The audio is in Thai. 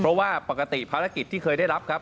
เพราะว่าปกติภารกิจที่เคยได้รับครับ